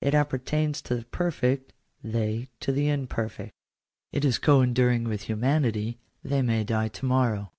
It appertains to the perfect; they to the imperfect. It is co enduring with humanity ; they may die to morrow.